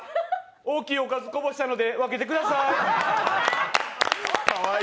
大きいおかずこぼしたので分けてください。